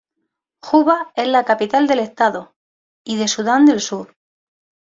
Juba es la capital del estado y de Sudán del Sur.